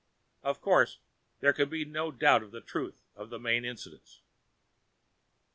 Of course, there can be no doubt of the truth of the main incidents.